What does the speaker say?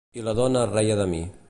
I la dona es reia de mi.